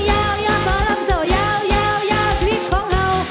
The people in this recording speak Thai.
ยาวยาวยาวสรรพเจ้ายาวยาวยาวชีวิตของเรา